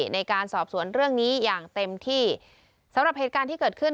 ในการสอบสวนเรื่องนี้อย่างเต็มที่สำหรับเหตุการณ์ที่เกิดขึ้น